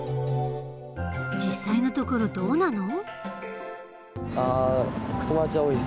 実際のところどうなの？